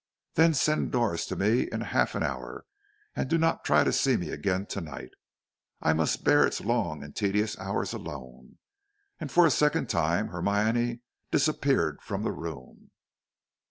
"Then send Doris to me in half an hour; and do not try to see me again to night. I must bear its long and tedious hours alone." And for a second time Hermione disappeared from the room.